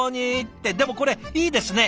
ってでもこれいいですね。